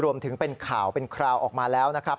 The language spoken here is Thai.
รวมถึงเป็นข่าวเป็นคราวออกมาแล้วนะครับ